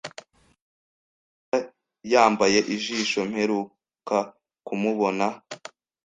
Karenzo yari yambaye ijisho mperuka kumubona.